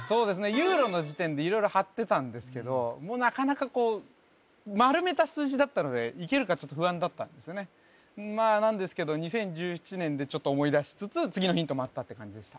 ユーロの時点で色々張ってたんですけどなかなかこう丸めた数字だったのでいけるかちょっと不安だったんですよねまあなんですけど２０１７年でちょっと思い出しつつ次のヒント待ったって感じでした